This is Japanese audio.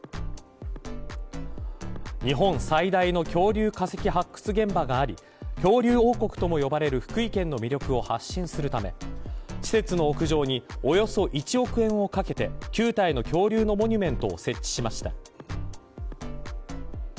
日本最大の恐竜化石発掘現場があり恐竜王国とも呼ばれる福井県の魅力を発信するため施設の屋上におよそ１億円をかけて９体の恐竜のモニュメントを設置しました。